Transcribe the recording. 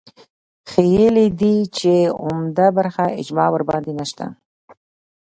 ښييلي دي چې عمده برخه اجماع ورباندې نشته